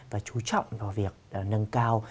và chú trọng vào việc nâng cao